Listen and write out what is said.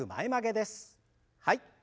はい。